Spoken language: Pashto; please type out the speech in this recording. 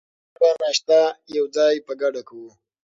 موږ به ناشته یوځای په ګډه کوو.